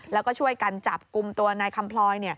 แล้วก็ช่วยกันจับกลุ่มตัวนายคำพลอย